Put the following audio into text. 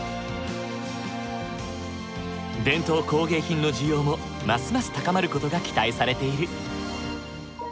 伝統工芸品の需要もますます高まる事が期待されている。